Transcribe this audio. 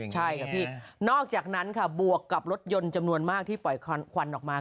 ใช่ค่ะพี่นอกจากนั้นค่ะบวกกับรถยนต์จำนวนมากที่ปล่อยควันออกมา